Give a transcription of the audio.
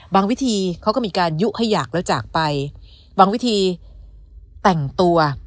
วิธีเขาก็มีการยุให้อยากแล้วจากไปบางวิธีแต่งตัว